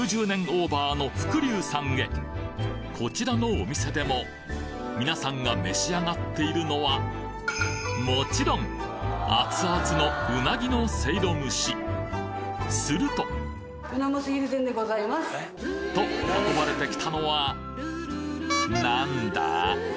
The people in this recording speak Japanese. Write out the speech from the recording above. オーバーの福柳さんへこちらのお店でも皆さんが召し上がっているのはもちろん熱々のうなぎのせいろ蒸しするとと運ばれてきたのはなんだ？